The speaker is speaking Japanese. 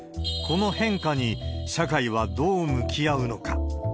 この変化に社会はどう向き合うのか。